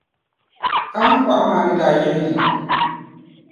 Kahiŋkɔɣu maa ni daa yiɣi yi.